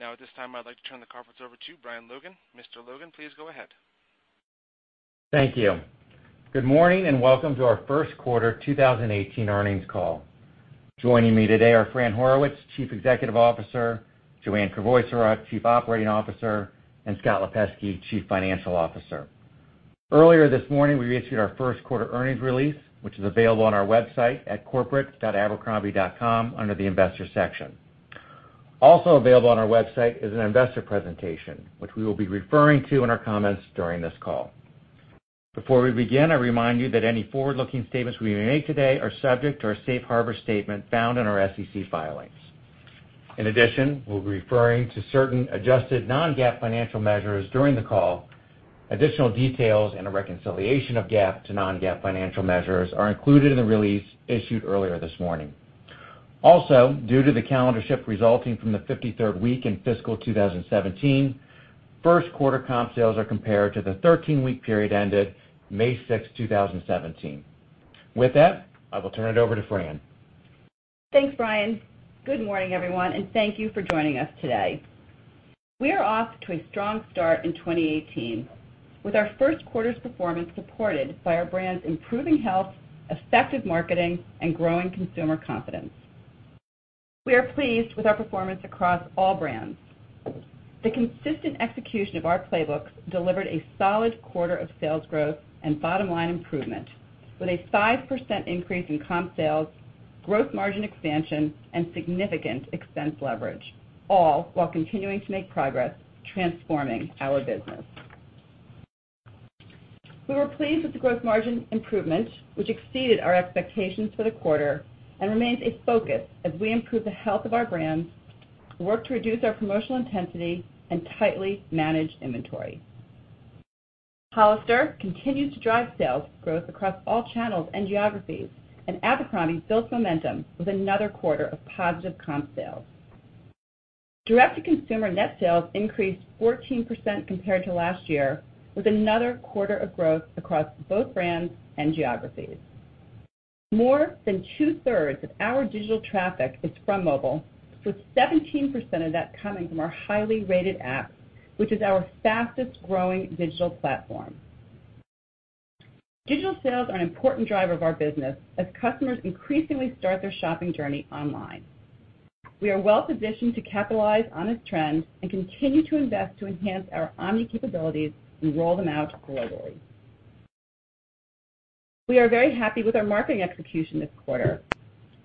At this time, I'd like to turn the conference over to Brian Logan. Mr. Logan, please go ahead. Thank you. Good morning, welcome to our first quarter 2018 earnings call. Joining me today are Fran Horowitz, Chief Executive Officer, Joanne Crevoiserat, Chief Operating Officer, and Scott Lipesky, Chief Financial Officer. Earlier this morning, we issued our first quarter earnings release, which is available on our website at corporate.abercrombie.com under the investor section. Also available on our website is an investor presentation, which we will be referring to in our comments during this call. Before we begin, I remind you that any forward-looking statements we make today are subject to our safe harbor statement found in our SEC filings. In addition, we'll be referring to certain adjusted non-GAAP financial measures during the call. Additional details and a reconciliation of GAAP to non-GAAP financial measures are included in the release issued earlier this morning. Due to the calendar shift resulting from the 53rd week in fiscal 2017, first quarter comp sales are compared to the 13-week period ended May 6, 2017. With that, I will turn it over to Fran. Thanks, Brian. Good morning, everyone, thank you for joining us today. We are off to a strong start in 2018 with our first quarter's performance supported by our brand's improving health, effective marketing, and growing consumer confidence. We are pleased with our performance across all brands. The consistent execution of our playbooks delivered a solid quarter of sales growth and bottom-line improvement with a 5% increase in comp sales, gross margin expansion, and significant expense leverage, all while continuing to make progress transforming our business. We were pleased with the gross margin improvement, which exceeded our expectations for the quarter and remains a focus as we improve the health of our brands, work to reduce our promotional intensity, and tightly manage inventory. Hollister continued to drive sales growth across all channels and geographies, Abercrombie built momentum with another quarter of positive comp sales. Direct-to-consumer net sales increased 14% compared to last year, with another quarter of growth across both brands and geographies. More than two-thirds of our digital traffic is from mobile, with 17% of that coming from our highly rated app, which is our fastest-growing digital platform. Digital sales are an important driver of our business as customers increasingly start their shopping journey online. We are well positioned to capitalize on this trend and continue to invest to enhance our omni capabilities and roll them out globally. We are very happy with our marketing execution this quarter.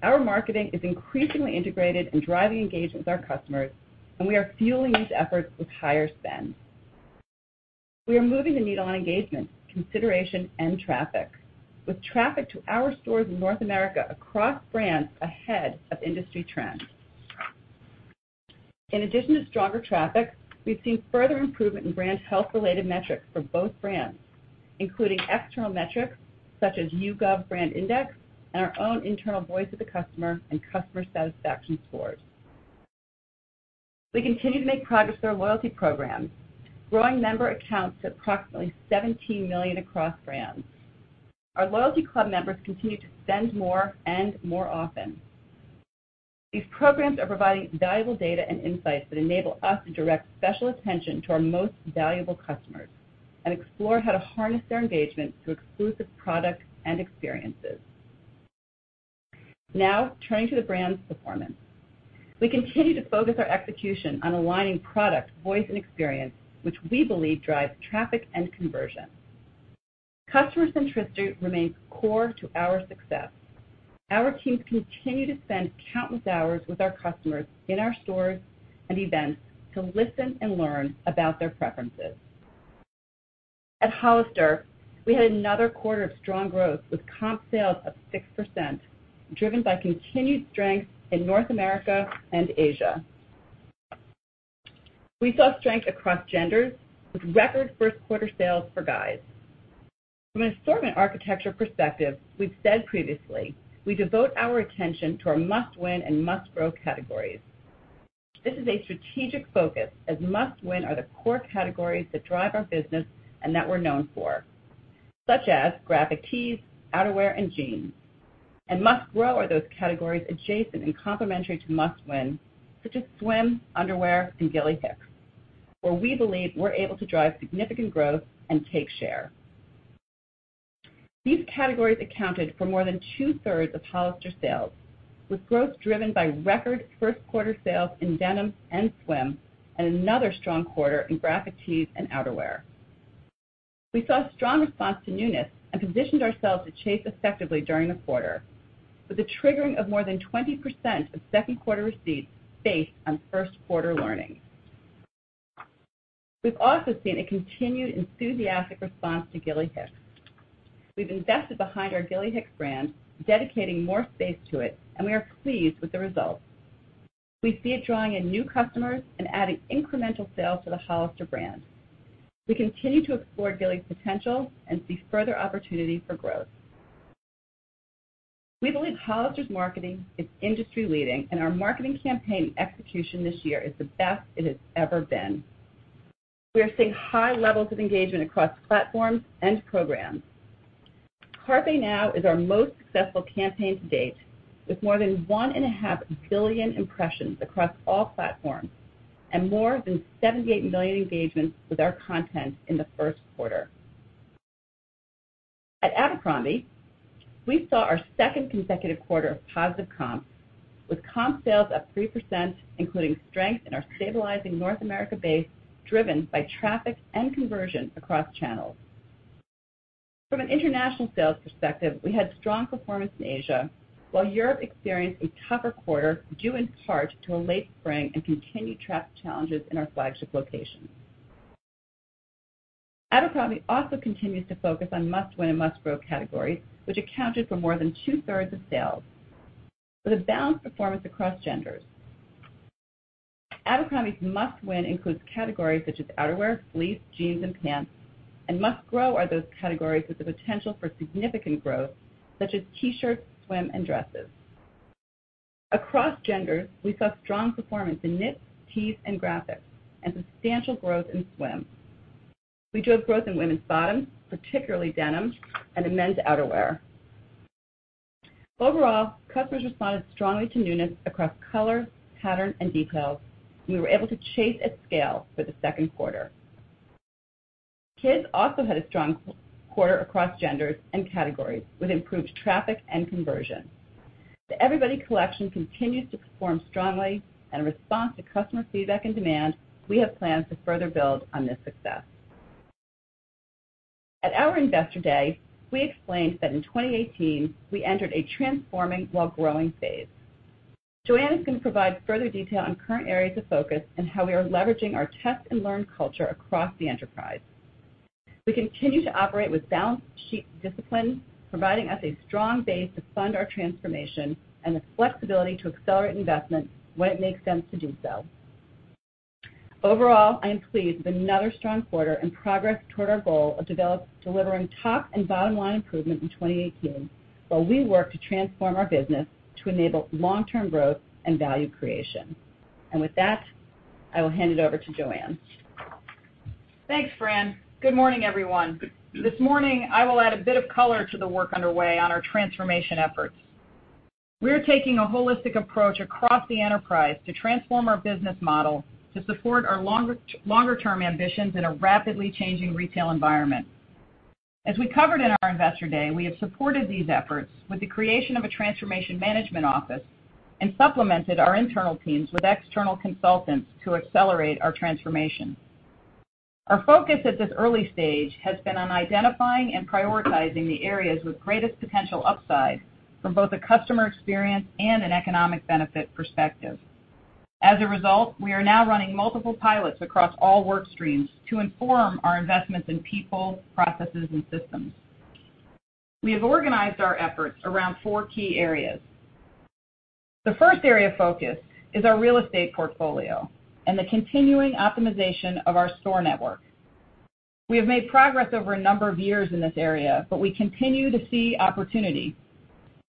Our marketing is increasingly integrated and driving engagement with our customers. We are fueling these efforts with higher spend. We are moving the needle on engagement, consideration, and traffic, with traffic to our stores in North America across brands ahead of industry trends. In addition to stronger traffic, we've seen further improvement in brand health-related metrics for both brands, including external metrics such as YouGov BrandIndex and our own internal Voice of the Customer and customer satisfaction scores. We continue to make progress with our loyalty programs, growing member accounts to approximately 17 million across brands. Our loyalty club members continue to spend more and more often. These programs are providing valuable data and insights that enable us to direct special attention to our most valuable customers and explore how to harness their engagement through exclusive products and experiences. Turning to the brand's performance. We continue to focus our execution on aligning product, voice, and experience, which we believe drives traffic and conversion. Customer centricity remains core to our success. Our teams continue to spend countless hours with our customers in our stores and events to listen and learn about their preferences. At Hollister, we had another quarter of strong growth with comp sales up 6%, driven by continued strength in North America and Asia. We saw strength across genders with record first quarter sales for guys. From an assortment architecture perspective, we've said previously, we devote our attention to our must-win and must-grow categories. This is a strategic focus, as must-win are the core categories that drive our business and that we're known for, such as graphic tees, outerwear, and jeans. Must-grow are those categories adjacent and complementary to must-win, such as swim, underwear, and Gilly Hicks, where we believe we're able to drive significant growth and take share. These categories accounted for more than two-thirds of Hollister sales, with growth driven by record first quarter sales in denim and swim. Another strong quarter in graphic tees and outerwear. We saw a strong response to newness and positioned ourselves to chase effectively during the quarter with the triggering of more than 20% of second quarter receipts based on first quarter learnings. We've also seen a continued enthusiastic response to Gilly Hicks. We've invested behind our Gilly Hicks brand, dedicating more space to it. We are pleased with the results. We see it drawing in new customers and adding incremental sales to the Hollister brand. We continue to explore Gilly's potential and see further opportunity for growth. We believe Hollister's marketing is industry-leading. Our marketing campaign execution this year is the best it has ever been. We are seeing high levels of engagement across platforms and programs. Carpe Now is our most successful campaign to date, with more than 1.5 billion impressions across all platforms and more than 78 million engagements with our content in the first quarter. At Abercrombie, we saw our second consecutive quarter of positive comps, with comp sales up 3%, including strength in our stabilizing North America base, driven by traffic and conversion across channels. From an international sales perspective, we had strong performance in Asia, while Europe experienced a tougher quarter, due in part to a late spring and continued traffic challenges in our flagship locations. Abercrombie also continues to focus on must-win and must-grow categories, which accounted for more than two-thirds of sales, with a balanced performance across genders. Abercrombie's must-win includes categories such as outerwear, fleece, jeans, and pants, and must-grow are those categories with the potential for significant growth, such as T-shirts, swim, and dresses. Across genders, we saw strong performance in knits, tees, and graphics, and substantial growth in swim. We drove growth in women's bottoms, particularly denim, and in men's outerwear. Overall, customers responded strongly to newness across color, pattern, and details. We were able to chase at scale for the second quarter. Abercrombie Kids also had a strong quarter across genders and categories, with improved traffic and conversion. The Everybody Collection continues to perform strongly. In response to customer feedback and demand, we have plans to further build on this success. At our Investor Day, we explained that in 2018, we entered a transforming while growing phase. Joanne is going to provide further detail on current areas of focus and how we are leveraging our test-and-learn culture across the enterprise. We continue to operate with balance sheet discipline, providing us a strong base to fund our transformation and the flexibility to accelerate investment when it makes sense to do so. Overall, I am pleased with another strong quarter and progress toward our goal of delivering top and bottom-line improvement in 2018, while we work to transform our business to enable long-term growth and value creation. With that, I will hand it over to Joanne. Thanks, Fran. Good morning, everyone. This morning, I will add a bit of color to the work underway on our transformation efforts. We're taking a holistic approach across the enterprise to transform our business model to support our longer-term ambitions in a rapidly changing retail environment. As we covered in our Investor Day, we have supported these efforts with the creation of a transformation management office and supplemented our internal teams with external consultants to accelerate our transformation. Our focus at this early stage has been on identifying and prioritizing the areas with greatest potential upside from both a customer experience and an economic benefit perspective. As a result, we are now running multiple pilots across all work streams to inform our investments in people, processes, and systems. We have organized our efforts around four key areas. The first area of focus is our real estate portfolio and the continuing optimization of our store network. We have made progress over a number of years in this area, but we continue to see opportunity.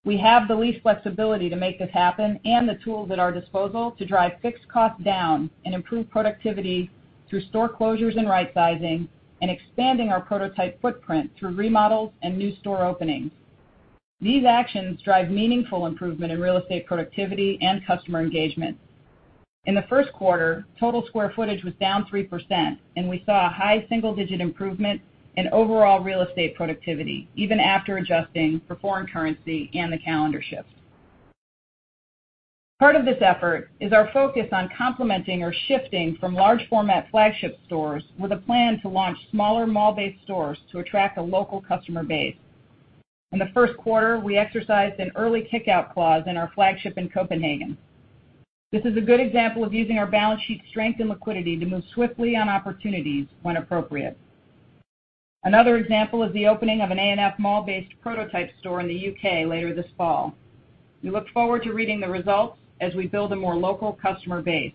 We have the lease flexibility to make this happen and the tools at our disposal to drive fixed costs down and improve productivity through store closures and rightsizing and expanding our prototype footprint through remodels and new store openings. These actions drive meaningful improvement in real estate productivity and customer engagement. In the first quarter, total square footage was down 3%, and we saw a high single-digit improvement in overall real estate productivity, even after adjusting for foreign currency and the calendar shift. Part of this effort is our focus on complementing or shifting from large format flagship stores with a plan to launch smaller mall-based stores to attract a local customer base. In the first quarter, we exercised an early kick-out clause in our flagship in Copenhagen. This is a good example of using our balance sheet strength and liquidity to move swiftly on opportunities when appropriate. Another example is the opening of an A&F mall-based prototype store in the U.K. later this fall. We look forward to reading the results as we build a more local customer base.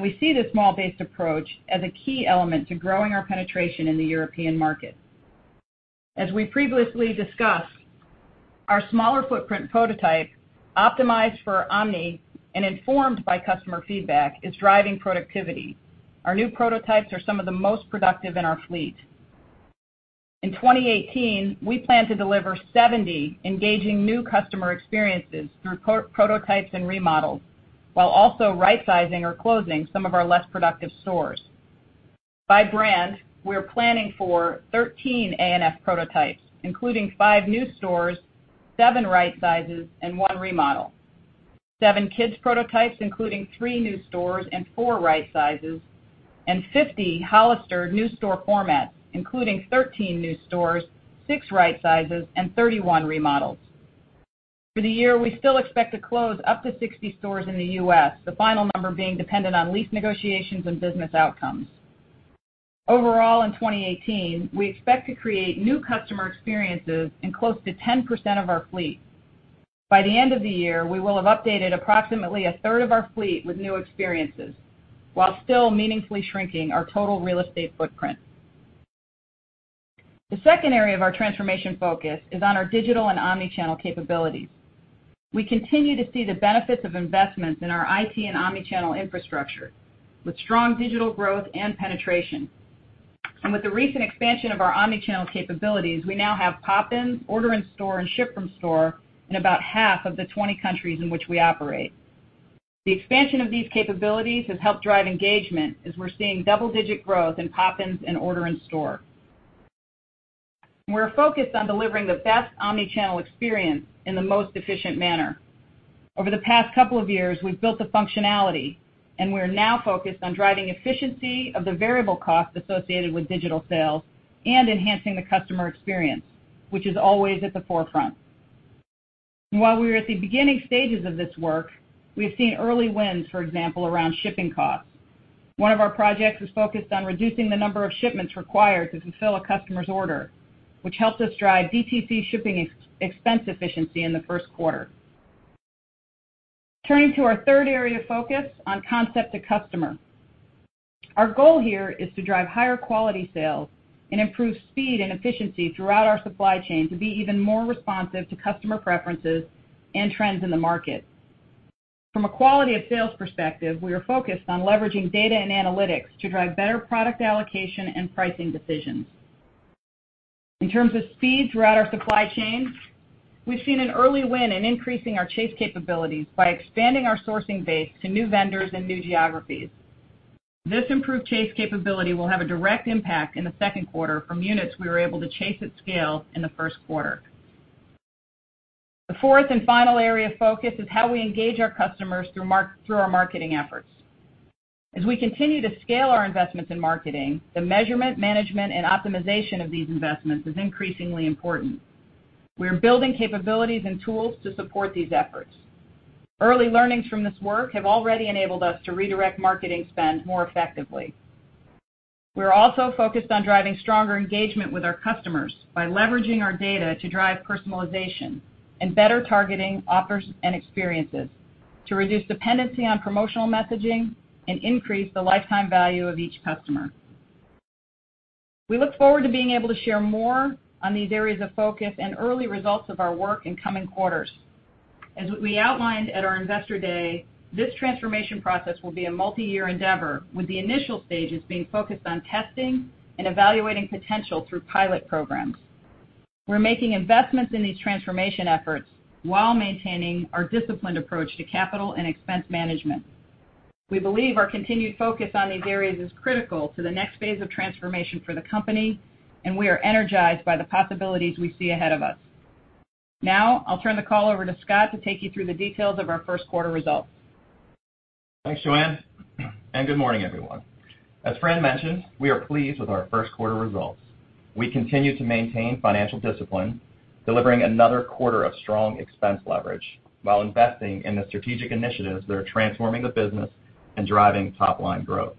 We see this mall-based approach as a key element to growing our penetration in the European market. As we previously discussed, our smaller footprint prototype, optimized for omni and informed by customer feedback, is driving productivity. Our new prototypes are some of the most productive in our fleet. In 2018, we plan to deliver 70 engaging new customer experiences through prototypes and remodels, while also rightsizing or closing some of our less productive stores. By brand, we're planning for 13 A&F prototypes, including five new stores, seven rightsizes, and one remodel. Seven Kids prototypes, including three new stores and four rightsizes, and 50 Hollister new store formats, including 13 new stores, six rightsizes, and 31 remodels. For the year, we still expect to close up to 60 stores in the U.S., the final number being dependent on lease negotiations and business outcomes. Overall, in 2018, we expect to create new customer experiences in close to 10% of our fleet. By the end of the year, we will have updated approximately a third of our fleet with new experiences while still meaningfully shrinking our total real estate footprint. The second area of our transformation focus is on our digital and omnichannel capabilities. We continue to see the benefits of investments in our IT and omnichannel infrastructure with strong digital growth and penetration. With the recent expansion of our omnichannel capabilities, we now have pop-ins, order in-store, and ship from store in about half of the 20 countries in which we operate. The expansion of these capabilities has helped drive engagement as we're seeing double-digit growth in pop-ins and order in-store. We're focused on delivering the best omnichannel experience in the most efficient manner. Over the past couple of years, we've built the functionality. We're now focused on driving efficiency of the variable cost associated with digital sales and enhancing the customer experience, which is always at the forefront. While we are at the beginning stages of this work, we've seen early wins, for example, around shipping costs. One of our projects is focused on reducing the number of shipments required to fulfill a customer's order, which helps us drive DTC shipping expense efficiency in the first quarter. Turning to our third area of focus on concept to customer. Our goal here is to drive higher quality sales and improve speed and efficiency throughout our supply chain to be even more responsive to customer preferences and trends in the market. From a quality of sales perspective, we are focused on leveraging data and analytics to drive better product allocation and pricing decisions. In terms of speed throughout our supply chain, we've seen an early win in increasing our chase capabilities by expanding our sourcing base to new vendors and new geographies. This improved chase capability will have a direct impact in the second quarter from units we were able to chase at scale in the first quarter. The fourth and final area of focus is how we engage our customers through our marketing efforts. We continue to scale our investments in marketing, the measurement, management, and optimization of these investments is increasingly important. We are building capabilities and tools to support these efforts. Early learnings from this work have already enabled us to redirect marketing spend more effectively. We're also focused on driving stronger engagement with our customers by leveraging our data to drive personalization and better targeting offers and experiences to reduce dependency on promotional messaging and increase the lifetime value of each customer. We look forward to being able to share more on these areas of focus and early results of our work in coming quarters. We outlined at our investor day, this transformation process will be a multi-year endeavor, with the initial stages being focused on testing and evaluating potential through pilot programs. We're making investments in these transformation efforts while maintaining our disciplined approach to capital and expense management. We believe our continued focus on these areas is critical to the next phase of transformation for the company, and we are energized by the possibilities we see ahead of us. Now, I'll turn the call over to Scott to take you through the details of our first quarter results. Thanks, Joanne. Good morning, everyone. Fran mentioned, we are pleased with our first quarter results. We continue to maintain financial discipline, delivering another quarter of strong expense leverage while investing in the strategic initiatives that are transforming the business and driving top-line growth.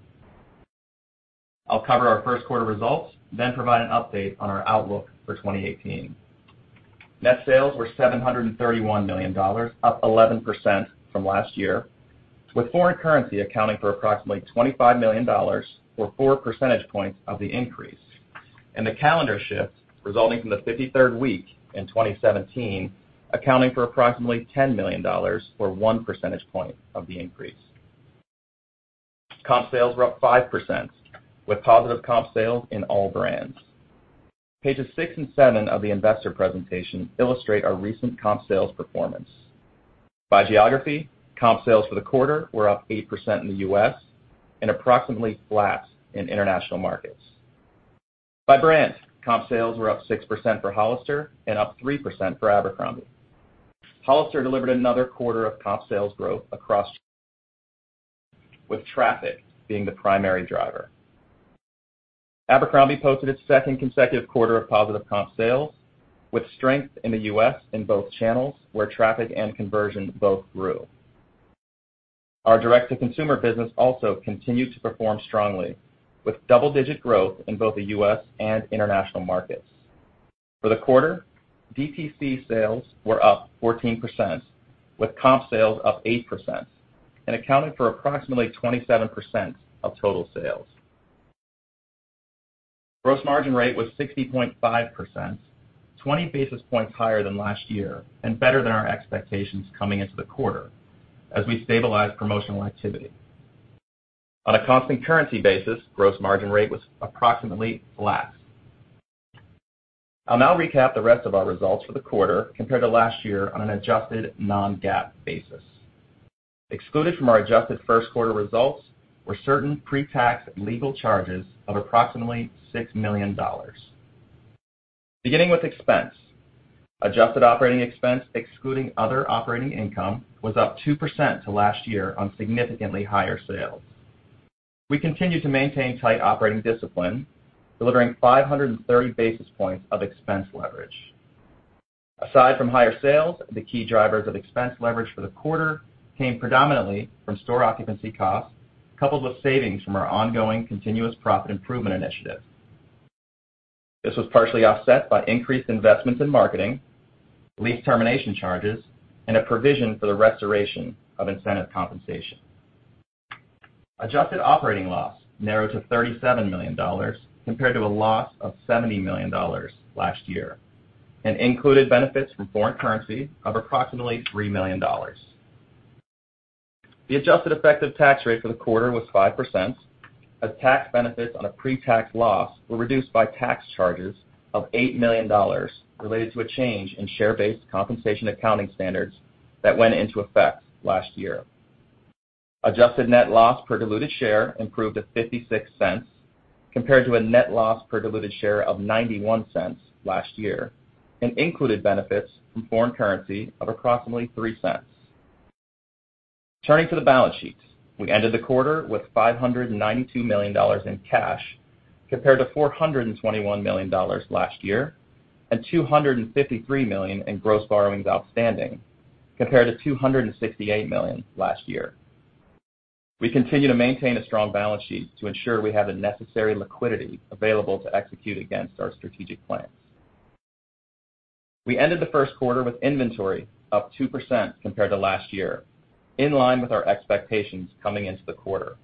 I'll cover our first quarter results, then provide an update on our outlook for 2018. Net sales were $731 million, up 11% from last year, with foreign currency accounting for approximately $25 million or four percentage points of the increase, and the calendar shift resulting from the 53rd week in 2017, accounting for approximately $10 million or one percentage point of the increase. Comp sales were up 5%, with positive comp sales in all brands. Pages six and seven of the investor presentation illustrate our recent comp sales performance. By geography, comp sales for the quarter were up 8% in the U.S. and approximately flat in international markets. By brand, comp sales were up 6% for Hollister and up 3% for Abercrombie. Hollister delivered another quarter of comp sales growth with traffic being the primary driver. Abercrombie posted its second consecutive quarter of positive comp sales, with strength in the U.S. in both channels, where traffic and conversion both grew. Our direct-to-consumer business also continued to perform strongly, with double-digit growth in both the U.S. and international markets. For the quarter, DTC sales were up 14%, with comp sales up 8% and accounted for approximately 27% of total sales. Gross margin rate was 60.5%, 20 basis points higher than last year and better than our expectations coming into the quarter as we stabilize promotional activity. On a constant currency basis, gross margin rate was approximately flat. I'll now recap the rest of our results for the quarter compared to last year on an adjusted non-GAAP basis. Excluded from our adjusted first quarter results were certain pre-tax legal charges of approximately $6 million. Beginning with expense. Adjusted operating expense, excluding other operating income, was up 2% to last year on significantly higher sales. We continue to maintain tight operating discipline, delivering 530 basis points of expense leverage. Aside from higher sales, the key drivers of expense leverage for the quarter came predominantly from store occupancy costs, coupled with savings from our ongoing continuous profit improvement initiative. This was partially offset by increased investments in marketing, lease termination charges, and a provision for the restoration of incentive compensation. Adjusted operating loss narrowed to $37 million compared to a loss of $70 million last year, and included benefits from foreign currency of approximately $3 million. The adjusted effective tax rate for the quarter was 5%, as tax benefits on a pre-tax loss were reduced by tax charges of $8 million related to a change in share-based compensation accounting standards that went into effect last year. Adjusted net loss per diluted share improved to $0.56 compared to a net loss per diluted share of $0.91 last year, and included benefits from foreign currency of approximately $0.03. Turning to the balance sheet. We ended the quarter with $592 million in cash, compared to $421 million last year, and $253 million in gross borrowings outstanding, compared to $268 million last year. We continue to maintain a strong balance sheet to ensure we have the necessary liquidity available to execute against our strategic plans. We ended the first quarter with inventory up 2% compared to last year, in line with our expectations coming into the quarter.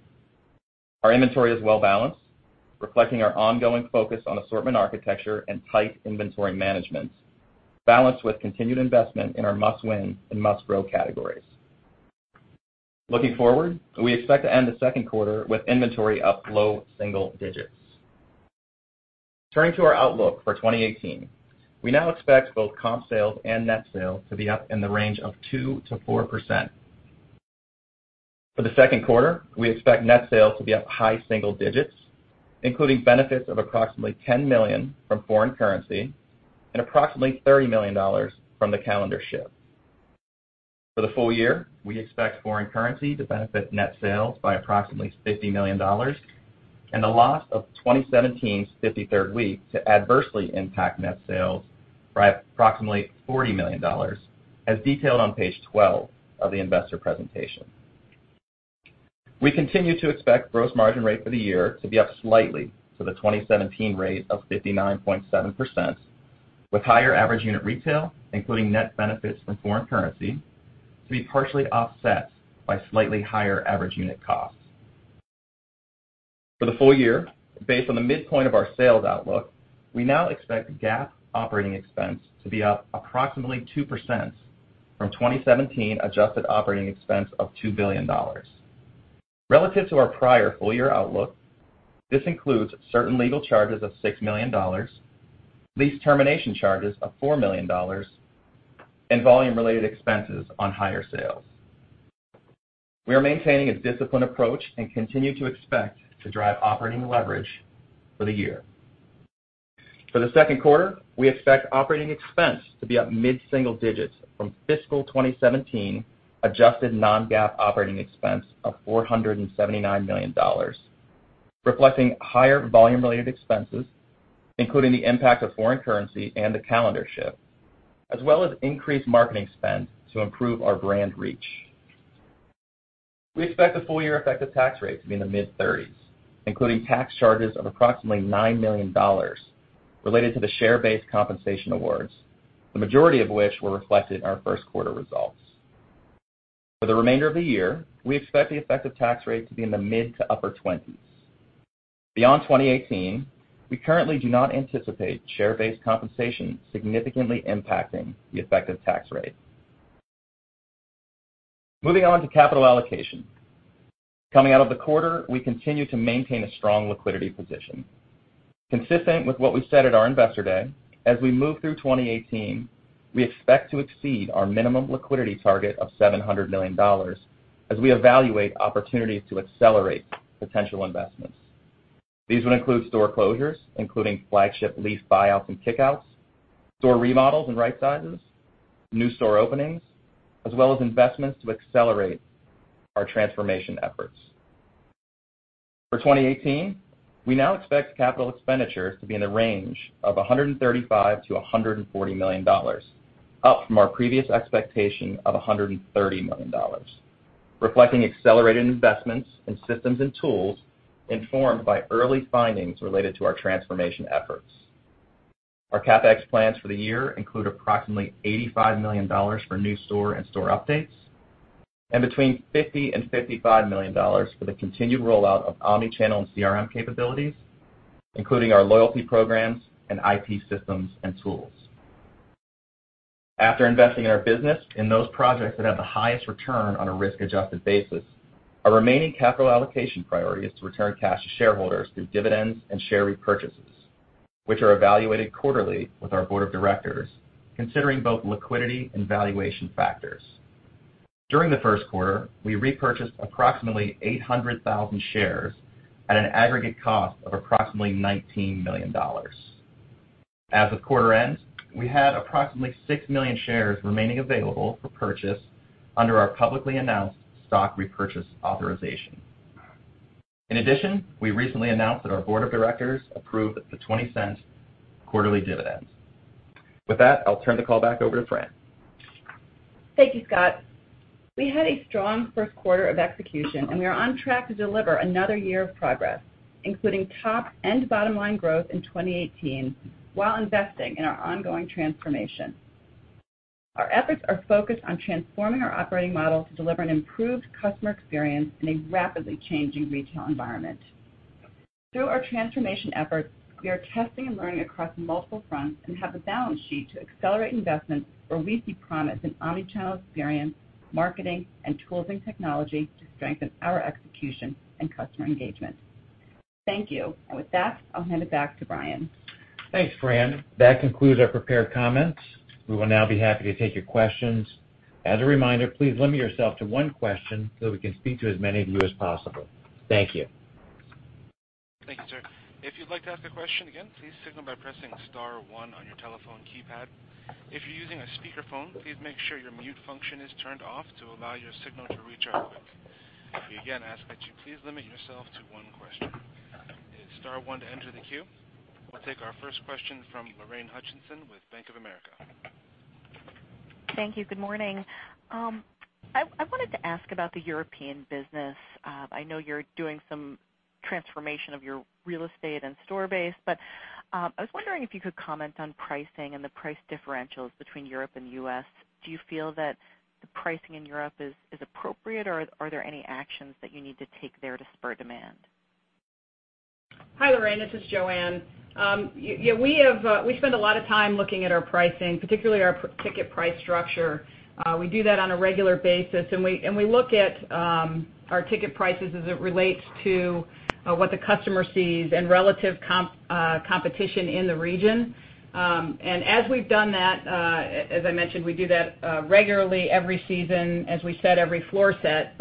Our inventory is well-balanced, reflecting our ongoing focus on assortment architecture and tight inventory management, balanced with continued investment in our must-win and must-grow categories. Looking forward, we expect to end the second quarter with inventory up low single digits. Turning to our outlook for 2018. We now expect both comp sales and net sales to be up in the range of 2%-4%. For the second quarter, we expect net sales to be up high single digits, including benefits of approximately $10 million from foreign currency and approximately $30 million from the calendar shift. For the full year, we expect foreign currency to benefit net sales by approximately $50 million, and the loss of 2017's 53rd week to adversely impact net sales by approximately $40 million, as detailed on page 12 of the investor presentation. We continue to expect gross margin rate for the year to be up slightly to the 2017 rate of 59.7%, with higher average unit retail, including net benefits from foreign currency, to be partially offset by slightly higher average unit costs. For the full year, based on the midpoint of our sales outlook, we now expect GAAP operating expense to be up approximately 2% from 2017 adjusted operating expense of $2 billion. Relative to our prior full-year outlook, this includes certain legal charges of $6 million, lease termination charges of $4 million, and volume-related expenses on higher sales. We are maintaining a disciplined approach and continue to expect to drive operating leverage for the year. For the second quarter, we expect operating expense to be up mid-single digits from fiscal 2017 adjusted non-GAAP operating expense of $479 million, reflecting higher volume-related expenses, including the impact of foreign currency and the calendar shift, as well as increased marketing spend to improve our brand reach. We expect the full-year effective tax rate to be in the mid-30s, including tax charges of approximately $9 million related to the share-based compensation awards, the majority of which were reflected in our first quarter results. For the remainder of the year, we expect the effective tax rate to be in the mid to upper 20s. Beyond 2018, we currently do not anticipate share-based compensation significantly impacting the effective tax rate. Moving on to capital allocation. Coming out of the quarter, we continue to maintain a strong liquidity position. Consistent with what we said at our investor day, as we move through 2018, we expect to exceed our minimum liquidity target of $700 million as we evaluate opportunities to accelerate potential investments. These would include store closures, including flagship lease buyouts and kick-outs, store remodels and right sizes, new store openings, as well as investments to accelerate our transformation efforts. For 2018, we now expect capital expenditures to be in the range of $135 million-$140 million, up from our previous expectation of $130 million, reflecting accelerated investments in systems and tools informed by early findings related to our transformation efforts. Our CapEx plans for the year include approximately $85 million for new store and store updates, and between $50 million and $55 million for the continued rollout of omni-channel and CRM capabilities, including our loyalty programs and IT systems and tools. After investing in our business in those projects that have the highest return on a risk-adjusted basis, our remaining capital allocation priority is to return cash to shareholders through dividends and share repurchases, which are evaluated quarterly with our board of directors, considering both liquidity and valuation factors. During the first quarter, we repurchased approximately 800,000 shares at an aggregate cost of approximately $19 million. As of quarter end, we had approximately 6 million shares remaining available for purchase under our publicly announced stock repurchase authorization. We recently announced that our board of directors approved a $0.20 quarterly dividend. With that, I'll turn the call back over to Fran. Thank you, Scott. We had a strong first quarter of execution. We are on track to deliver another year of progress, including top and bottom-line growth in 2018 while investing in our ongoing transformation. Our efforts are focused on transforming our operating model to deliver an improved customer experience in a rapidly changing retail environment. Through our transformation efforts, we are testing and learning across multiple fronts and have the balance sheet to accelerate investments where we see promise in omnichannel experience, marketing, and tools and technology to strengthen our execution and customer engagement. Thank you. With that, I'll hand it back to Brian. Thanks, Fran. That concludes our prepared comments. We will now be happy to take your questions. As a reminder, please limit yourself to one question so we can speak to as many of you as possible. Thank you. Thank you, sir. If you'd like to ask a question, again, please signal by pressing star one on your telephone keypad. If you're using a speakerphone, please make sure your mute function is turned off to allow your signal to reach our queue. We again ask that you please limit yourself to one question. It's star one to enter the queue. We'll take our first question from Lorraine Hutchinson with Bank of America. Thank you. Good morning. I wanted to ask about the European business. I know you're doing some transformation of your real estate and store base, but I was wondering if you could comment on pricing and the price differentials between Europe and the U.S. Do you feel that the pricing in Europe is appropriate, or are there any actions that you need to take there to spur demand? Hi, Lorraine, this is Joanne. Yeah, we spend a lot of time looking at our pricing, particularly our ticket price structure. We do that on a regular basis, and we look at our ticket prices as it relates to what the customer sees and relative competition in the region. As we've done that, as I mentioned, we do that regularly every season as we set every floor set.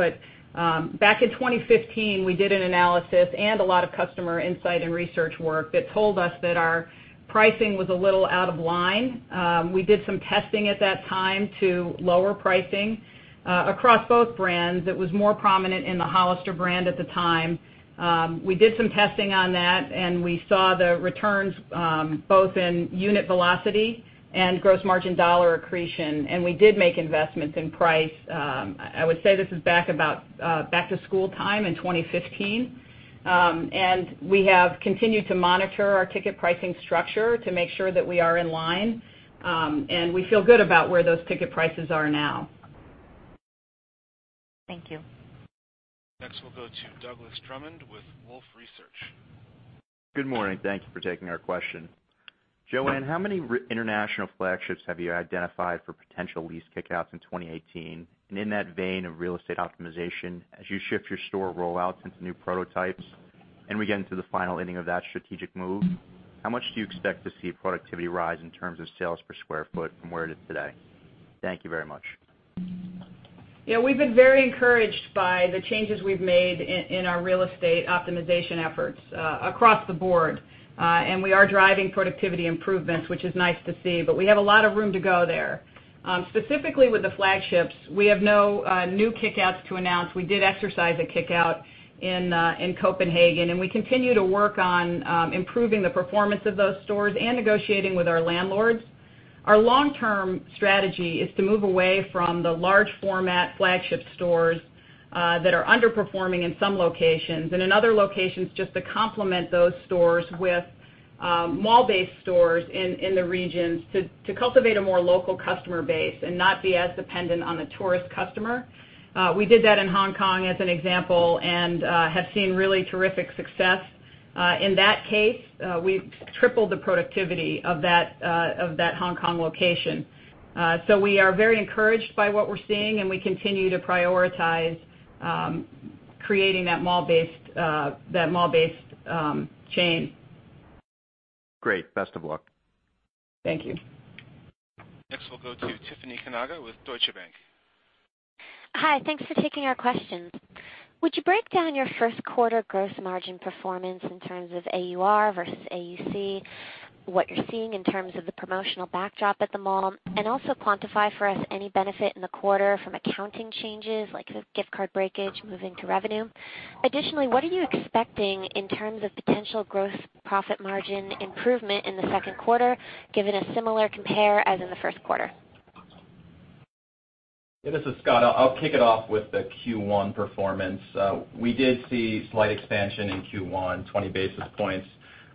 Back in 2015, we did an analysis and a lot of customer insight and research work that told us that our pricing was a little out of line. We did some testing at that time to lower pricing across both brands. It was more prominent in the Hollister brand at the time. We did some testing on that, and we saw the returns both in unit velocity and gross margin dollar accretion, and we did make investments in price. I would say this is back to school time in 2015. We have continued to monitor our ticket pricing structure to make sure that we are in line. We feel good about where those ticket prices are now. Thank you. Next, we'll go to Doug Drummond with Wolfe Research. Good morning. Thank you for taking our question. Joanne, how many international flagships have you identified for potential lease kick-outs in 2018? In that vein of real estate optimization, as you shift your store rollouts into new prototypes and we get into the final inning of that strategic move, how much do you expect to see productivity rise in terms of sales per square foot from where it is today? Thank you very much. Yeah, we've been very encouraged by the changes we've made in our real estate optimization efforts across the board. We are driving productivity improvements, which is nice to see, but we have a lot of room to go there. Specifically with the flagships, we have no new kick-outs to announce. We did exercise a kick-out in Copenhagen, and we continue to work on improving the performance of those stores and negotiating with our landlords. Our long-term strategy is to move away from the large format flagship stores that are underperforming in some locations, and in other locations, just to complement those stores with mall-based stores in the regions to cultivate a more local customer base and not be as dependent on the tourist customer. We did that in Hong Kong, as an example, and have seen really terrific success. In that case, we've tripled the productivity of that Hong Kong location. We are very encouraged by what we're seeing, and we continue to prioritize creating that mall-based chain. Great. Best of luck. Thank you. Next, we'll go to Tiffany Kanaga with Deutsche Bank. Hi. Thanks for taking our questions. Would you break down your first quarter gross margin performance in terms of AUR versus AUC, what you're seeing in terms of the promotional backdrop at the mall, and also quantify for us any benefit in the quarter from accounting changes like the gift card breakage moving to revenue? Additionally, what are you expecting in terms of potential gross profit margin improvement in the second quarter, given a similar compare as in the first quarter? This is Scott. I will kick it off with the Q1 performance. We did see slight expansion in Q1, 20 basis points.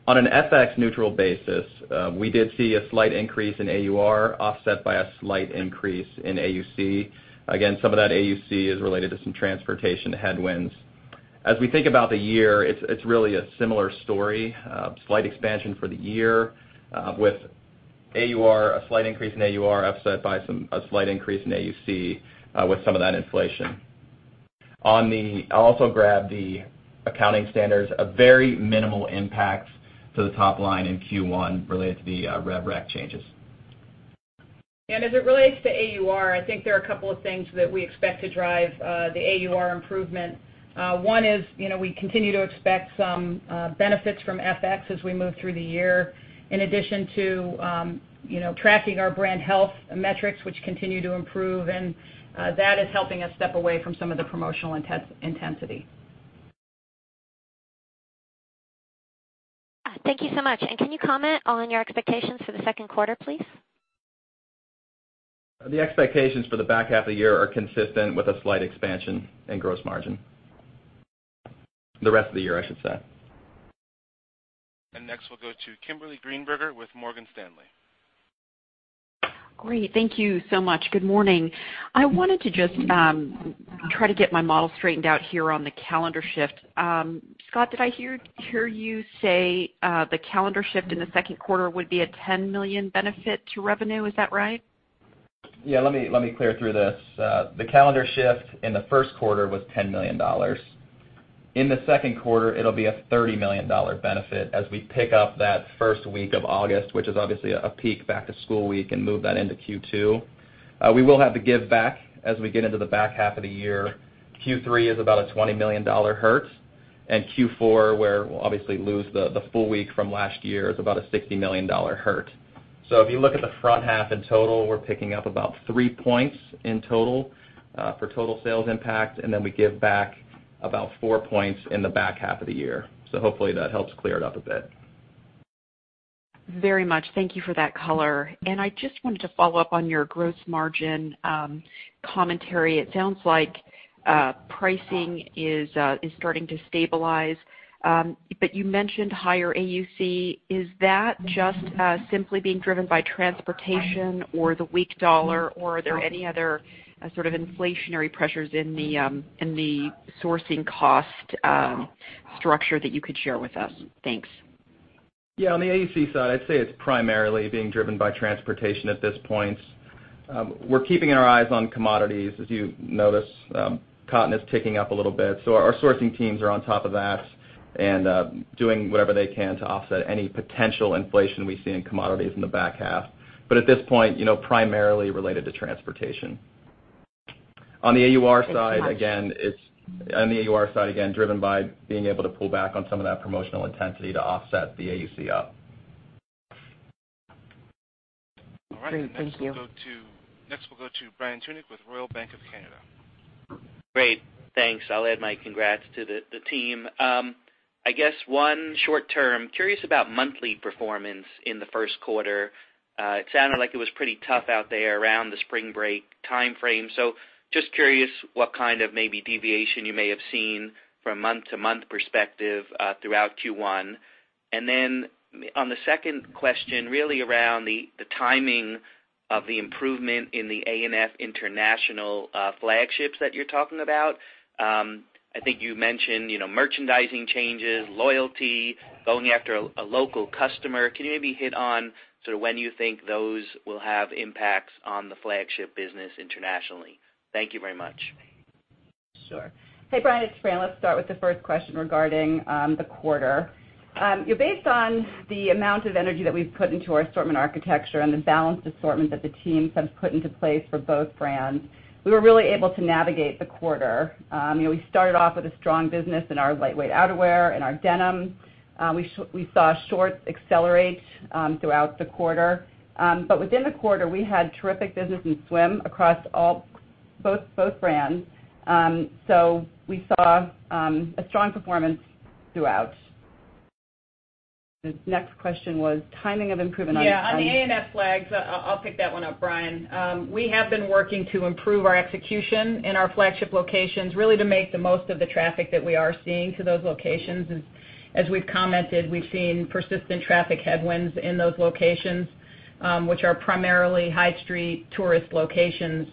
On an FX neutral basis, we did see a slight increase in AUR offset by a slight increase in AUC. Some of that AUC is related to some transportation headwinds. As we think about the year, it is really a similar story. Slight expansion for the year with a slight increase in AUR offset by a slight increase in AUC with some of that inflation. I will also grab the accounting standards, a very minimal impact to the top line in Q1 related to the rev rec changes. As it relates to AUR, I think there are a couple of things that we expect to drive the AUR improvement. One is we continue to expect some benefits from FX as we move through the year, in addition to tracking our brand health metrics, which continue to improve, and that is helping us step away from some of the promotional intensity. Thank you so much. Can you comment on your expectations for the second quarter, please? The expectations for the back half of the year are consistent with a slight expansion in gross margin. The rest of the year, I should say. Next, we'll go to Kimberly Greenberger with Morgan Stanley. Great. Thank you so much. Good morning. I wanted to just try to get my model straightened out here on the calendar shift. Scott, did I hear you say the calendar shift in the second quarter would be a $10 million benefit to revenue? Is that right? Yeah. Let me clear through this. The calendar shift in the first quarter was $10 million. In the second quarter, it'll be a $30 million benefit as we pick up that first week of August, which is obviously a peak back to school week, and move that into Q2. We will have to give back as we get into the back half of the year. Q3 is about a $20 million hurt, and Q4, where we'll obviously lose the full week from last year, is about a $60 million hurt. If you look at the front half in total, we're picking up about three points in total for total sales impact, then we give back about four points in the back half of the year. Hopefully that helps clear it up a bit. Very much. Thank you for that color. I just wanted to follow up on your gross margin commentary. It sounds like pricing is starting to stabilize. You mentioned higher AUC. Is that just simply being driven by transportation or the weak dollar, or are there any other sort of inflationary pressures in the sourcing cost structure that you could share with us? Thanks. On the AUC side, I'd say it's primarily being driven by transportation at this point. We're keeping our eyes on commodities. As you notice, cotton is ticking up a little bit, so our sourcing teams are on top of that and doing whatever they can to offset any potential inflation we see in commodities in the back half. At this point, primarily related to transportation. On the AUR side, again, driven by being able to pull back on some of that promotional intensity to offset the AUC up. Great. Thank you. Next, we'll go to Brian Tunick with Royal Bank of Canada. Great. Thanks. I'll add my congrats to the team. I guess one short term, curious about monthly performance in the first quarter. It sounded like it was pretty tough out there around the spring break timeframe. Just curious what kind of maybe deviation you may have seen from month-to-month perspective throughout Q1. Then on the second question, really around the timing of the improvement in the A&F international flagships that you're talking about. I think you mentioned merchandising changes, loyalty, going after a local customer. Can you maybe hit on sort of when you think those will have impacts on the flagship business internationally? Thank you very much. Sure. Hey, Brian Tunick, it's Fran Horowitz. Let's start with the first question regarding the quarter. Based on the amount of energy that we've put into our assortment architecture and the balanced assortment that the team has put into place for both brands, we were really able to navigate the quarter. We started off with a strong business in our lightweight outerwear and our denim. We saw shorts accelerate throughout the quarter. Within the quarter, we had terrific business in swim across both brands. We saw a strong performance throughout. The next question was timing of improvement on- On the A&F flags, I'll pick that one up, Brian Tunick. We have been working to improve our execution in our flagship locations, really to make the most of the traffic that we are seeing to those locations. As we've commented, we've seen persistent traffic headwinds in those locations, which are primarily high street tourist locations.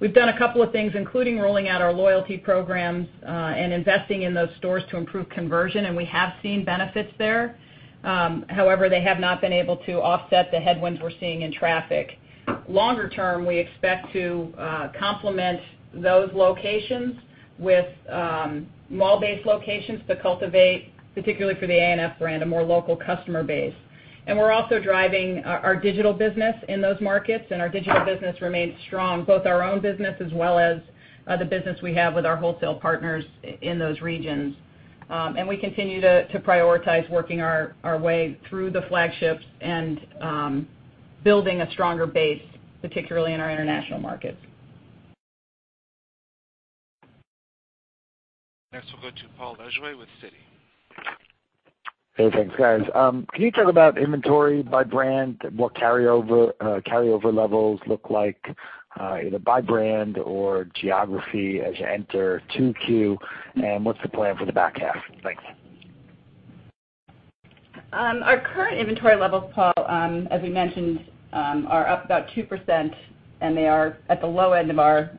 We've done a couple of things, including rolling out our loyalty programs, and investing in those stores to improve conversion, and we have seen benefits there. However, they have not been able to offset the headwinds we're seeing in traffic. Longer term, we expect to complement those locations with mall-based locations to cultivate, particularly for the A&F brand, a more local customer base. We're also driving our digital business in those markets, and our digital business remains strong, both our own business as well as the business we have with our wholesale partners in those regions. We continue to prioritize working our way through the flagships and building a stronger base, particularly in our international markets. Next, we'll go to Paul Lejuez with Citi. Hey, thanks, guys. Can you talk about inventory by brand, what carryover levels look like, either by brand or geography as you enter 2Q, and what's the plan for the back half? Thanks. Our current inventory levels, Paul, as we mentioned, are up about 2%. They are at the low end of our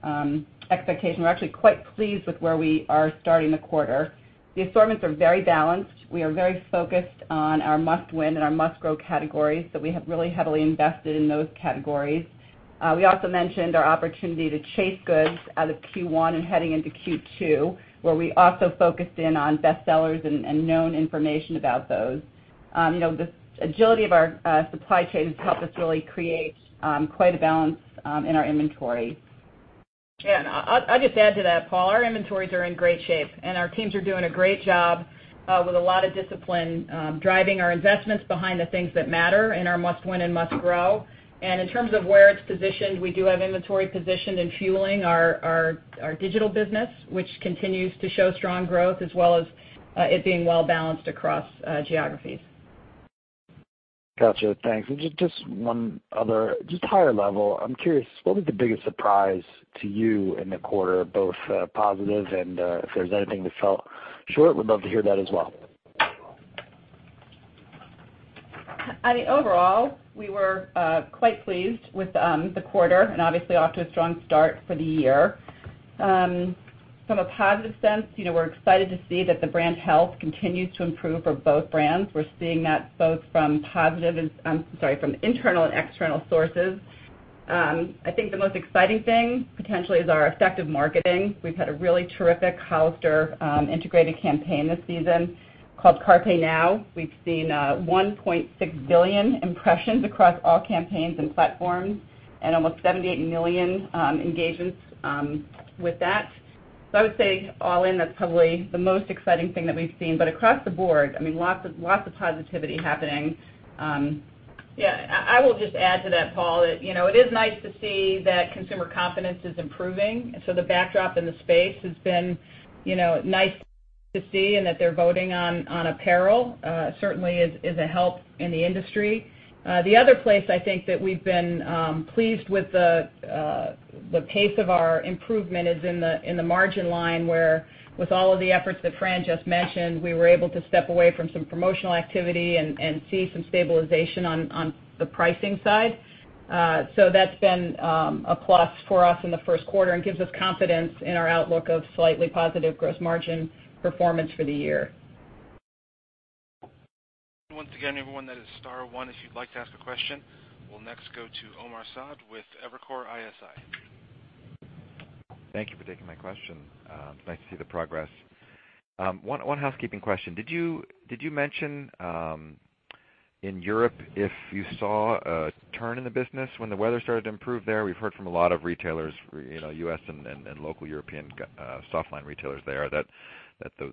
expectation. We're actually quite pleased with where we are starting the quarter. The assortments are very balanced. We are very focused on our must-win and our must-grow categories. We have really heavily invested in those categories. We also mentioned our opportunity to chase goods out of Q1 and heading into Q2, where we also focused in on bestsellers and known information about those. The agility of our supply chain has helped us really create quite a balance in our inventory. Yeah. I'll just add to that, Paul. Our inventories are in great shape, and our teams are doing a great job with a lot of discipline, driving our investments behind the things that matter in our must-win and must-grow. In terms of where it's positioned, we do have inventory positioned in fueling our digital business, which continues to show strong growth as well as it being well balanced across geographies. Gotcha. Thanks. Just one other, just higher level. I'm curious, what was the biggest surprise to you in the quarter, both positive and, if there's anything that fell short, would love to hear that as well. I think overall, we were quite pleased with the quarter, obviously off to a strong start for the year. From a positive sense, we're excited to see that the brand health continues to improve for both brands. We're seeing that both from positive, from internal and external sources. I think the most exciting thing, potentially, is our effective marketing. We've had a really terrific Hollister integrated campaign this season called Carpe Now. We've seen 1.6 billion impressions across all campaigns and platforms, and almost 78 million engagements with that. I would say all in, that's probably the most exciting thing that we've seen. Across the board, lots of positivity happening. Yeah. I will just add to that, Paul. It is nice to see that consumer confidence is improving. The backdrop in the space has been nice to see, and that they're voting on apparel certainly is a help in the industry. The other place I think that we've been pleased with the pace of our improvement is in the margin line where, with all of the efforts that Fran just mentioned, we were able to step away from some promotional activity and see some stabilization on the pricing side. That's been a plus for us in the first quarter and gives us confidence in our outlook of slightly positive gross margin performance for the year. Once again, everyone, that is star one if you'd like to ask a question. We'll next go to Omar Saad with Evercore ISI. Thank you for taking my question. It's nice to see the progress. One housekeeping question. Did you mention in Europe if you saw a turn in the business when the weather started to improve there? We've heard from a lot of retailers, U.S. and local European soft line retailers there, that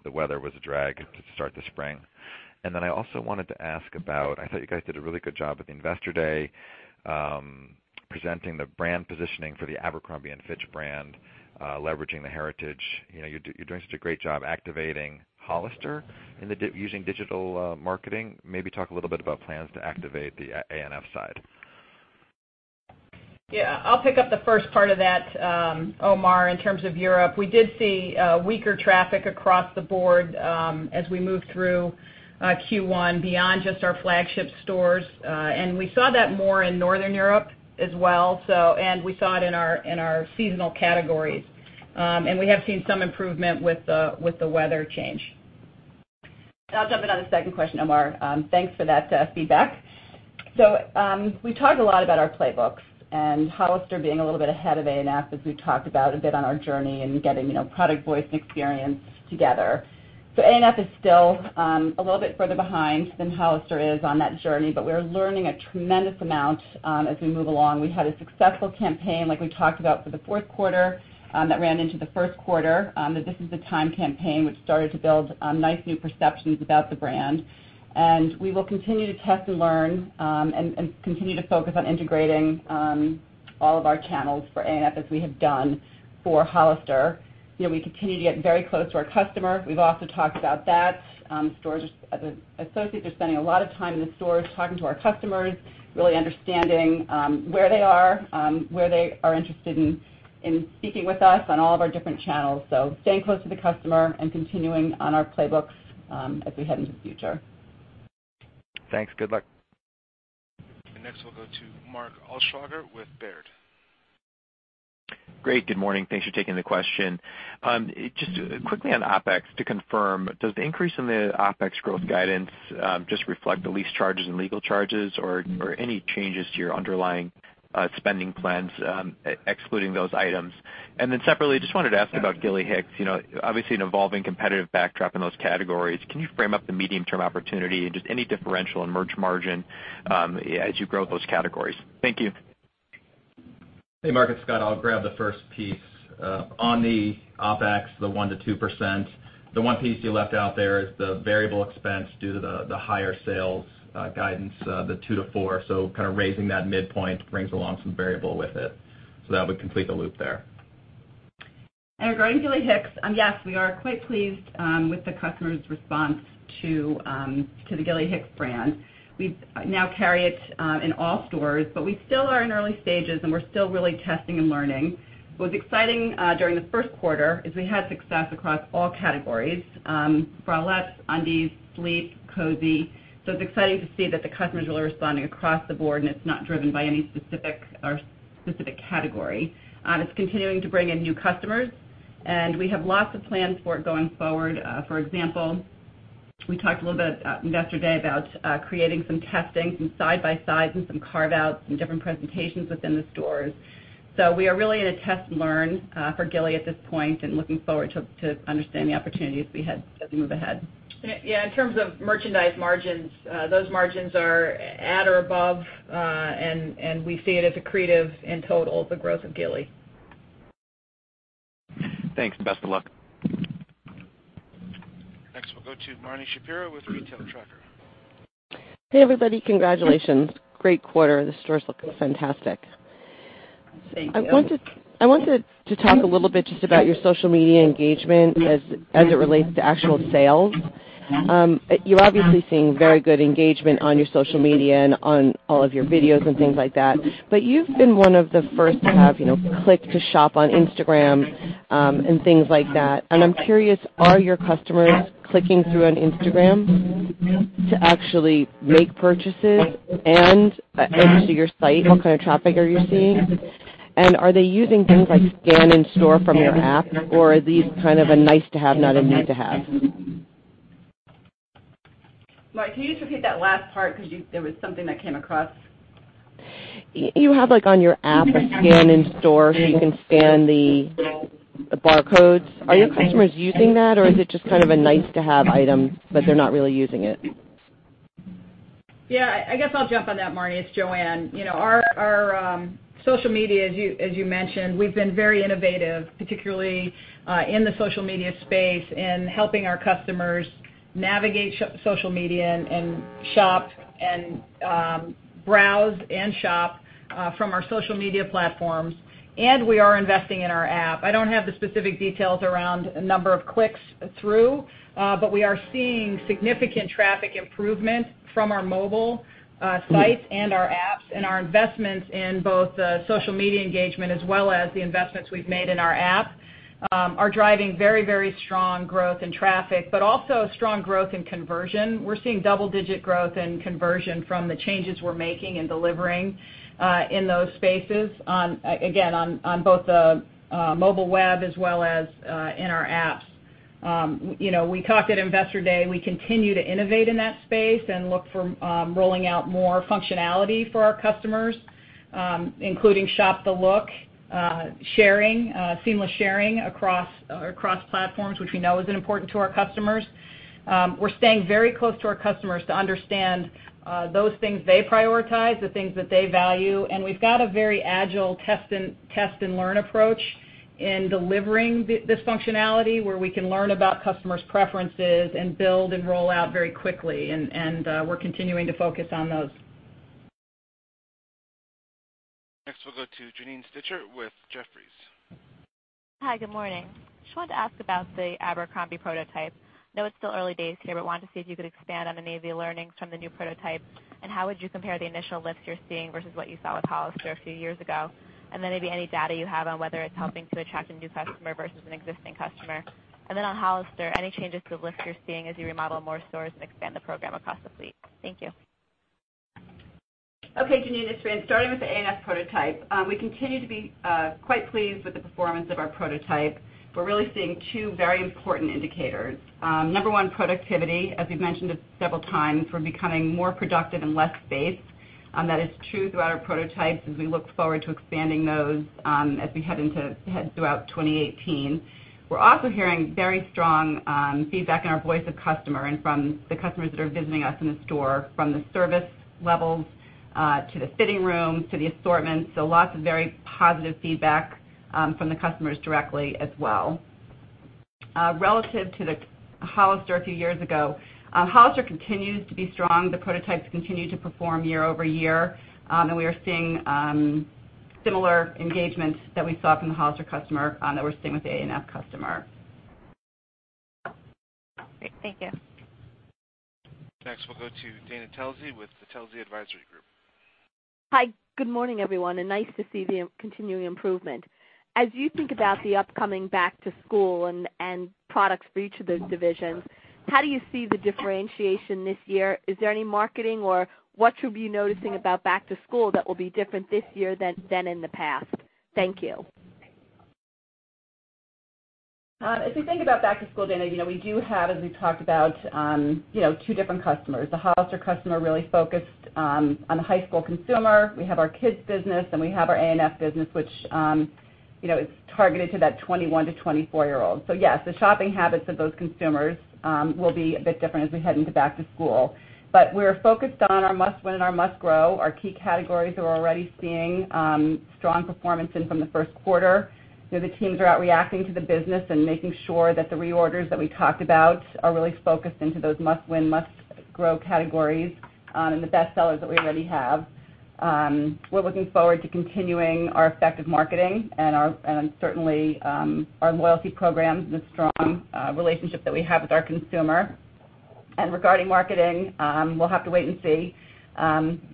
the weather was a drag to start the spring. I also wanted to ask about, I thought you guys did a really good job at the Investor Day presenting the brand positioning for the Abercrombie & Fitch brand, leveraging the heritage. You're doing such a great job activating Hollister using digital marketing. Maybe talk a little bit about plans to activate the A&F side. Yeah. I'll pick up the first part of that, Omar. In terms of Europe, we did see weaker traffic across the board as we moved through Q1 beyond just our flagship stores. We saw that more in Northern Europe as well, and we saw it in our seasonal categories. We have seen some improvement with the weather change. I'll jump in on the second question, Omar. Thanks for that feedback. We talked a lot about our playbooks and Hollister being a little bit ahead of A&F as we talked about a bit on our journey and getting product voice and experience together. A&F is still a little bit further behind than Hollister is on that journey, but we're learning a tremendous amount as we move along. We had a successful campaign, like we talked about, for the fourth quarter that ran into the first quarter, the This Is The Time campaign, which started to build nice new perceptions about the brand. We will continue to test and learn, and continue to focus on integrating all of our channels for A&F as we have done for Hollister. We continue to get very close to our customer. We've also talked about that. Associates are spending a lot of time in the stores talking to our customers, really understanding where they are, where they are interested in speaking with us on all of our different channels. Staying close to the customer and continuing on our playbooks as we head into the future. Thanks. Good luck. Next, we'll go to Mark Altschwager with Baird. Great. Good morning. Thanks for taking the question. Just quickly on OpEx, to confirm, does the increase in the OpEx growth guidance just reflect the lease charges and legal charges, or any changes to your underlying spending plans excluding those items? Separately, just wanted to ask about Gilly Hicks. Obviously an evolving competitive backdrop in those categories. Can you frame up the medium-term opportunity and just any differential in merch margin as you grow those categories? Thank you. Hey, Mark. It's Scott. I'll grab the first piece. On the OpEx, the 1%-2%, the one piece you left out there is the variable expense due to the higher sales guidance, the 2%-4%. Kind of raising that midpoint brings along some variable with it. That would complete the loop there. Regarding Gilly Hicks, yes, we are quite pleased with the customer's response to the Gilly Hicks brand. We now carry it in all stores, but we still are in early stages, and we're still really testing and learning. What was exciting during the first quarter is we had success across all categories. Bralettes, undies, sleep, cozy. It's exciting to see that the customers are really responding across the board, and it's not driven by any specific category. It's continuing to bring in new customers, and we have lots of plans for it going forward. For example, we talked a little bit at Investor Day about creating some testing, some side by sides and some carve-outs and different presentations within the stores. We are really in a test and learn for Gilly at this point and looking forward to understanding the opportunities we had as we move ahead. Yeah. In terms of merchandise margins, those margins are at or above, and we see it as accretive in total, the growth of Gilly. Thanks. Best of luck. Next, we'll go to Marni Shapiro with The Retail Tracker. Hey, everybody. Congratulations. Great quarter. The store's looking fantastic. I wanted to talk a little bit just about your social media engagement as it relates to actual sales. Yeah. You're obviously seeing very good engagement on your social media and on all of your videos and things like that. You've been one of the first to have click to shop on Instagram, and things like that. I'm curious, are your customers clicking through on Instagram to actually make purchases and onto your site? What kind of traffic are you seeing? Are they using things like scan in store from your app or are these kind of a nice to have, not a need to have? Marni, can you just repeat that last part because there was something that came across. You have on your app, a scan in store, so you can scan the barcodes. Are your customers using that or is it just kind of a nice to have item, but they're not really using it? Yeah. I guess I'll jump on that, Marni. It's Joanne. Our social media, as you mentioned, we've been very innovative, particularly, in the social media space and helping our customers navigate social media and browse and shop from our social media platforms. We are investing in our app. I don't have the specific details around the number of clicks through. We are seeing significant traffic improvement from our mobile sites and our apps and our investments in both social media engagement as well as the investments we've made in our app, are driving very strong growth in traffic, but also strong growth in conversion. We're seeing double-digit growth in conversion from the changes we're making in delivering, in those spaces, again, on both the mobile web as well as in our apps. We talked at Investor Day. We continue to innovate in that space and look for rolling out more functionality for our customers, including shop the look, seamless sharing across platforms, which we know is important to our customers. We're staying very close to our customers to understand those things they prioritize, the things that they value. We've got a very agile test and learn approach in delivering this functionality where we can learn about customers' preferences and build and roll out very quickly. We're continuing to focus on those. Next, we'll go to Janine Stichter with Jefferies. Hi, good morning. Just wanted to ask about the Abercrombie prototype. Know it's still early days here, but wanted to see if you could expand on any of the learnings from the new prototype and how would you compare the initial lifts you're seeing versus what you saw with Hollister a few years ago. Then maybe any data you have on whether it's helping to attract a new customer versus an existing customer. Then on Hollister, any changes to the lifts you're seeing as you remodel more stores and expand the program across the fleet? Thank you. Okay, Janine, it's Fran. Starting with the ANF prototype. We continue to be quite pleased with the performance of our prototype. We're really seeing 2 very important indicators. Number 1, productivity. As we've mentioned it several times, we're becoming more productive and less based. That is true throughout our prototypes as we look forward to expanding those, as we head throughout 2018. We're also hearing very strong feedback in our Voice of the Customer and from the customers that are visiting us in the store from the service levels to the fitting rooms to the assortments. Lots of very positive feedback from the customers directly as well. Relative to the Hollister a few years ago, Hollister continues to be strong. The prototypes continue to perform year-over-year. We are seeing similar engagements that we saw from the Hollister customer that we're seeing with the ANF customer. Great. Thank you. Next, we'll go to Dana Telsey with the Telsey Advisory Group. Hi. Good morning, everyone, and nice to see the continuing improvement. As you think about the upcoming back to school and products for each of those divisions, how do you see the differentiation this year? Is there any marketing or what should we be noticing about back to school that will be different this year than in the past? Thank you. If we think about back to school, Dana, we do have, as we've talked about, two different customers. The Hollister customer really focused on the high school consumer. We have our kids business, and we have our ANF business, which is targeted to that 21 to 24 year old. Yes, the shopping habits of those consumers will be a bit different as we head into back to school. We're focused on our must win and our must grow. Our key categories are already seeing strong performance in from the first quarter. The teams are out reacting to the business and making sure that the reorders that we talked about are really focused into those must win, must grow categories, and the best sellers that we already have. We're looking forward to continuing our effective marketing and certainly, our loyalty programs and the strong relationship that we have with our consumer. Regarding marketing, we'll have to wait and see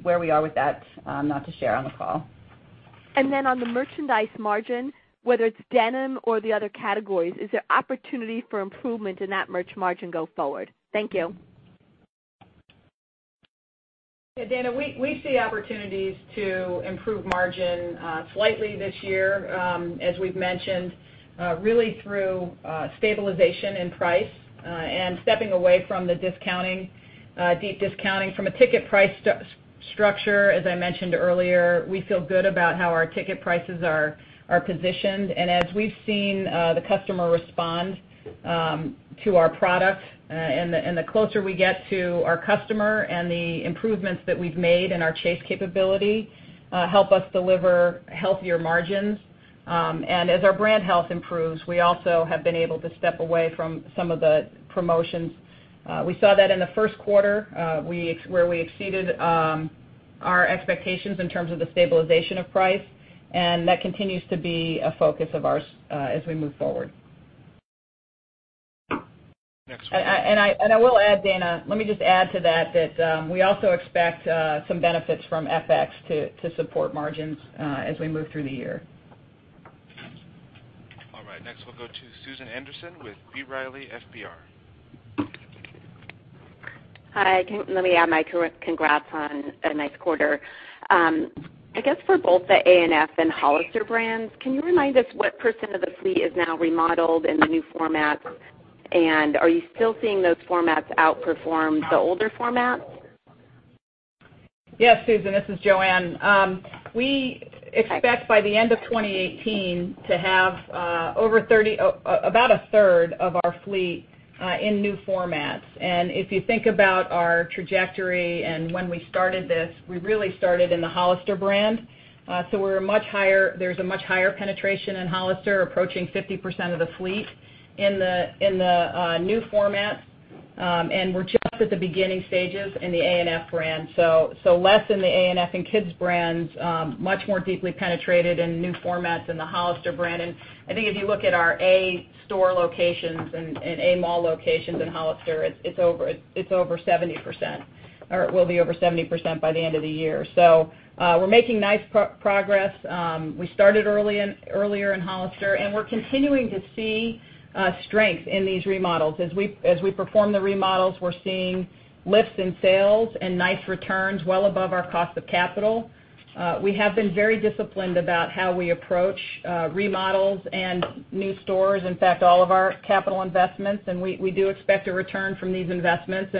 where we are with that, not to share on the call. On the merchandise margin, whether it's denim or the other categories, is there opportunity for improvement in that merch margin go forward? Thank you. Dana, we see opportunities to improve margin slightly this year, as we've mentioned, really through stabilization in price, and stepping away from the deep discounting from a ticket price structure. As I mentioned earlier, we feel good about how our ticket prices are positioned. As we've seen the customer respond to our product, and the closer we get to our customer and the improvements that we've made in our chase capability, help us deliver healthier margins. As our brand health improves, we also have been able to step away from some of the promotions. We saw that in the first quarter, where we exceeded our expectations in terms of the stabilization of price, that continues to be a focus of ours as we move forward. Next- I will add, Dana, let me just add to that we also expect some benefits from FX to support margins as we move through the year. All right. Next, we'll go to Susan Anderson with B. Riley FBR. Hi. Let me add my congrats on a nice quarter. I guess for both the A&F and Hollister brands, can you remind us what % of the fleet is now remodeled in the new format? Are you still seeing those formats outperform the older formats? Yes, Susan, this is Joanne. We expect by the end of 2018 to have about a third of our fleet in new formats. If you think about our trajectory and when we started this, we really started in the Hollister brand. There's a much higher penetration in Hollister, approaching 50% of the fleet in the new format. We're just at the beginning stages in the A&F brand. Less in the A&F and Kids brands, much more deeply penetrated in new formats in the Hollister brand. I think if you look at our A store locations and A mall locations in Hollister, it's over 70%, or it will be over 70% by the end of the year. We're making nice progress. We started earlier in Hollister, and we're continuing to see strength in these remodels. As we perform the remodels, we're seeing lifts in sales and nice returns well above our cost of capital. We have been very disciplined about how we approach remodels and new stores, in fact, all of our capital investments, and we do expect a return from these investments.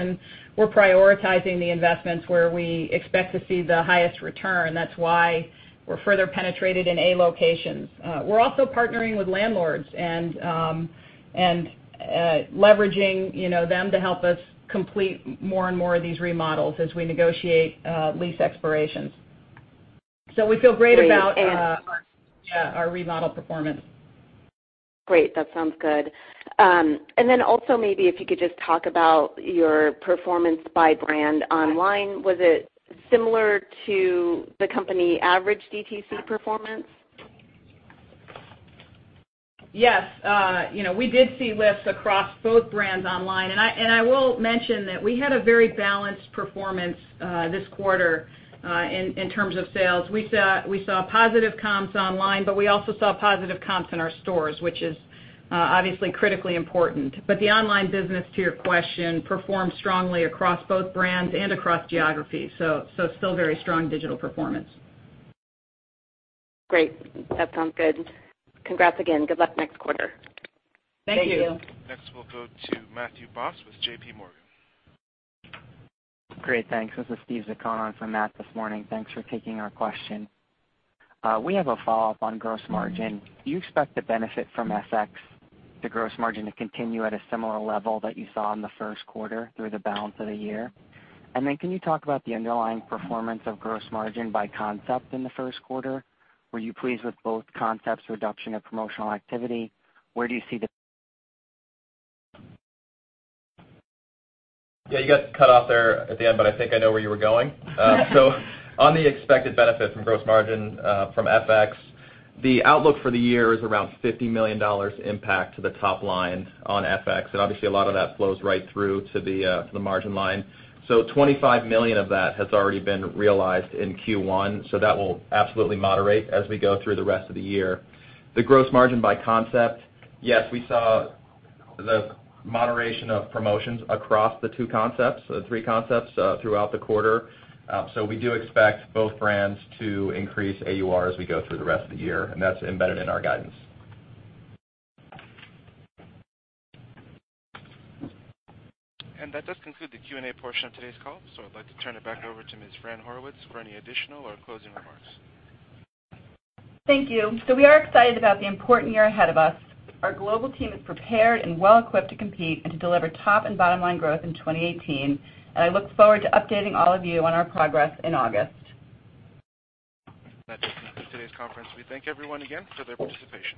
We're prioritizing the investments where we expect to see the highest return. That's why we're further penetrated in A locations. We're also partnering with landlords and leveraging them to help us complete more and more of these remodels as we negotiate lease expirations. We feel great about. Great. Yeah, our remodel performance. Great. That sounds good. Also maybe if you could just talk about your performance by brand online. Was it similar to the company average DTC performance? Yes. We did see lifts across both brands online. I will mention that we had a very balanced performance this quarter in terms of sales. We saw positive comps online, but we also saw positive comps in our stores, which is obviously critically important. The online business, to your question, performed strongly across both brands and across geographies. Still very strong digital performance. Great. That sounds good. Congrats again. Good luck next quarter. Thank you. Next, we'll go to Matthew Boss with J.P. Morgan. Great. Thanks. This is Steve Zaccone on for Matt this morning. Thanks for taking our question. We have a follow-up on gross margin. Do you expect the benefit from FX to gross margin to continue at a similar level that you saw in the first quarter through the balance of the year? Can you talk about the underlying performance of gross margin by concept in the first quarter? Were you pleased with both concepts' reduction of promotional activity? Where do you see the You got cut off there at the end, but I think I know where you were going. On the expected benefit from gross margin from FX, the outlook for the year is around $50 million impact to the top line on FX. Obviously, a lot of that flows right through to the margin line. $25 million of that has already been realized in Q1, so that will absolutely moderate as we go through the rest of the year. The gross margin by concept, yes, we saw the moderation of promotions across the two concepts, the three concepts, throughout the quarter. We do expect both brands to increase AUR as we go through the rest of the year, and that's embedded in our guidance. That does conclude the Q&A portion of today's call. I'd like to turn it back over to Ms. Fran Horowitz for any additional or closing remarks. Thank you. We are excited about the important year ahead of us. Our global team is prepared and well-equipped to compete and to deliver top and bottom-line growth in 2018, I look forward to updating all of you on our progress in August. That does conclude today's conference. We thank everyone again for their participation.